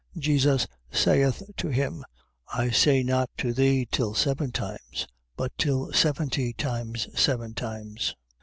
18:22. Jesus saith to him: I say not to thee, till seven times; but till seventy times seven times.